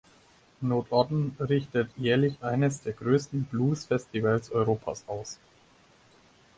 Notodden richtet jährlich eines der größten Bluesfestivals Europas aus.